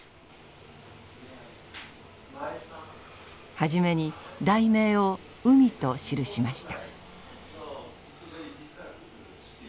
初めに題名を「海」と記しました。